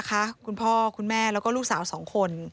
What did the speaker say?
คุณพ่อคุณแม่แล้วก็ลูกสาว๒คน